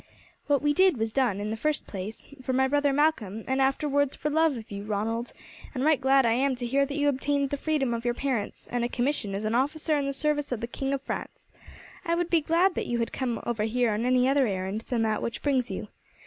"What we did was done, in the first place, for my brother Malcolm, and afterwards for love of you, Ronald; and right glad I am to hear that you obtained the freedom of your parents and a commission as an officer in the service of the King of France. I would be glad that you had come over here on any other errand than that which brings you.